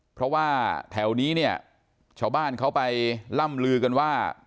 เพราะว่าแถวนี้เนี่ยชาวบ้านเขาไปล่ำลือกันว่า